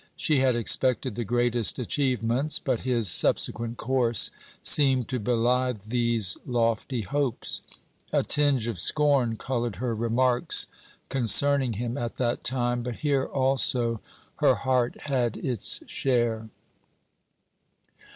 She had expected the greatest achievements, but his subsequent course seemed to belie these lofty hopes. A tinge of scorn coloured her remarks concerning him at that time, but here also her heart had its share.